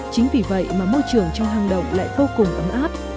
chính vì vậy mà môi trường trong hang động lại vô cùng ấm áp